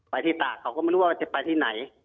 ไปที่ตากเขาก็ไม่รู้ว่าจะไปที่ไหน